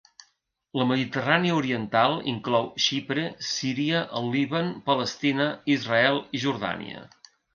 La Mediterrània Oriental inclou Xipre, Síria el Líban, Palestina, Israel i Jordània.